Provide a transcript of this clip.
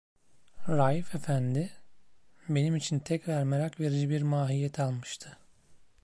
Raif efendi, benim için tekrar merak verici bir mahiyet almıştı.